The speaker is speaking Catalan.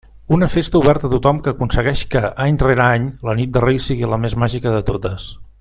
Una festa oberta a tothom que aconsegueix que, any rere any, la nit de Reis sigui la més màgica de totes.